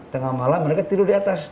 tengah malam mereka tidur di atas